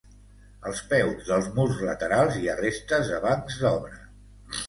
Als peus dels murs laterals hi ha restes de bancs d'obra.